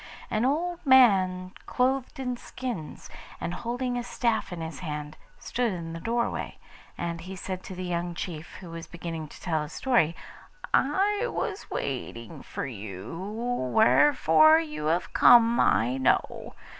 An old man clothed in skins, and holding a staff in his hand, stood in the doorway; and he said to the young chief who was beginning to tell his story, 'I was waiting for you, wherefore you have come I know.